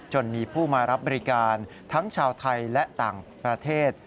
จนมีผู้มารับบริการทั้งชาวไทยและต่างประเทศ